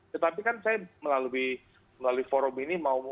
tetapi kan saya melalui forum ini